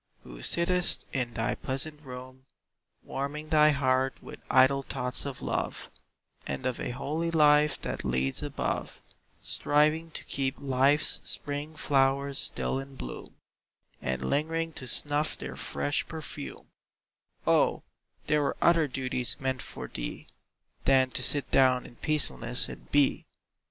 who sittest in thy pleasant room, Warming thy heart with idle thoughts of love, And of a holy life that leads above, Striving to keep life's spring flowers still in bloom, And lingering to snuff their fresh perfume O, there were other duties meant for thee, Than to sit down in peacefulness and Be!